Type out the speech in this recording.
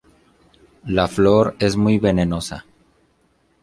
La flor es muy venenosa.